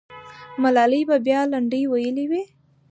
ملالۍ به بیا لنډۍ ویلي وي.